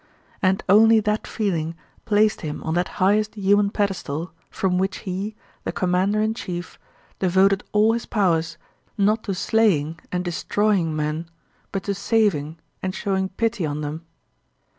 And only that feeling placed him on that highest human pedestal from which he, the commander in chief, devoted all his powers not to slaying and destroying men but to saving and showing pity on them.